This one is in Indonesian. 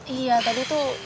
iya tadi tuh